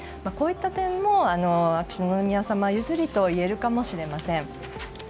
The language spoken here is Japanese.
こういった点も秋篠宮さま譲りといえるかもしれません。